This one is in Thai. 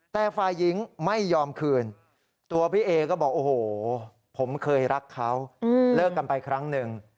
แต่ฝ่ายหญิงไม่ยอมคืนตัวพี่เอก็บอกโอ้โหผมเคยรักเขาเลิกกันไปครั้งหนึ่ง